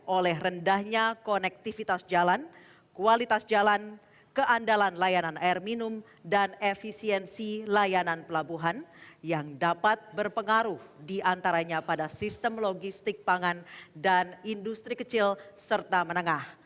oleh rendahnya konektivitas jalan kualitas jalan keandalan layanan air minum dan efisiensi layanan pelabuhan yang dapat berpengaruh diantaranya pada sistem logistik pangan dan industri kecil serta menengah